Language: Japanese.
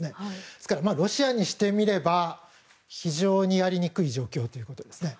ですからロシアにしてみれば非常にやりにくい状況ということですね。